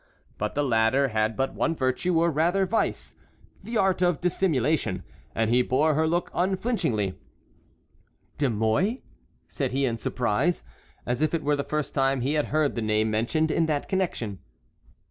But the latter had but one virtue, or rather vice,—the art of dissimulation; and he bore her look unflinchingly. "De Mouy!" said he in surprise, as if it were the first time he had heard the name mentioned in that connection.